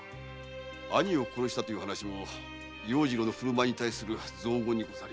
兄を殺したという話も要次郎の振る舞いに対する雑言でしょう。